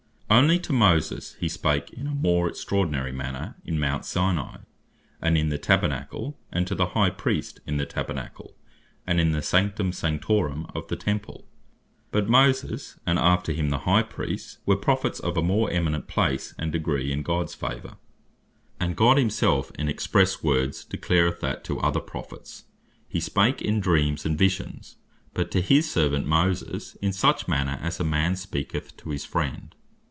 Onely to Moses hee spake in a more extraordinary manner in Mount Sinai, and in the Tabernacle; and to the High Priest in the Tabernacle, and in the Sanctum Sanctorum of the Temple. But Moses, and after him the High Priests were Prophets of a more eminent place, and degree in Gods favour; And God himself in express words declareth, that to other Prophets hee spake in Dreams and Visions, but to his servant Moses, in such manner as a man speaketh to his friend.